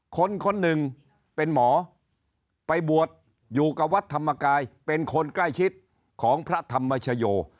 คนหนึ่งเป็นหมอไปบวชอยู่กับวัดธรรมกายเป็นคนใกล้ชิดของพระธรรมชโย